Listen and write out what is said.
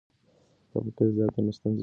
که فقر زیات وي نو ستونزې ډېریږي.